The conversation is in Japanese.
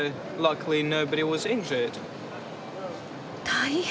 大変！